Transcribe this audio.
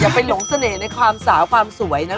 ไปหลงเสน่ห์ในความสาวความสวยนะ